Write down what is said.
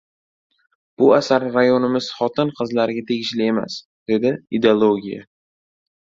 — Bu asar rayonimiz xotin-qizlariga tegishli emas! — dedi Ideologiya.